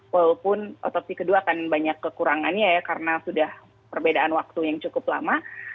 walaupun otopsi kedua akan banyak kekurangannya ya karena sudah perbedaan waktu yang cukup lama